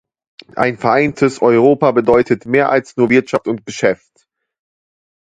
Ein vereintes Europa bedeutet mehr als nur Wirtschaft und Geschäft.